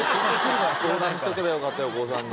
相談しとけばよかった横尾さんに。